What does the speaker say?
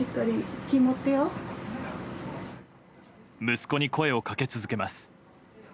息子に声をかけ続けます。